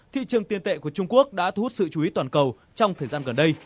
thị trường tiền tệ của trung quốc đã thu hút sự chú ý toàn cầu trong thời gian gần đây